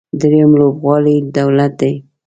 درېیم لوبغاړی دولت دی.